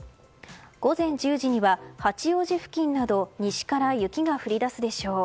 午前１０時には八王子付近など西から雪が降り出すでしょう。